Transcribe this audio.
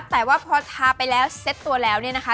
แต่ว่าพอทาไปแล้วเซ็ตตัวแล้วเนี่ยนะคะ